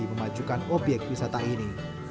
memajukan obyek wisata ini